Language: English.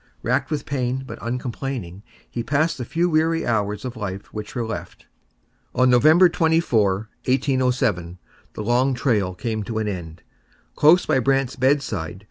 Racked with pain, but uncomplaining, he passed the few weary hours of life which were left. On November 24, 1807, the long trail came to an end. Close by Brant's bedside.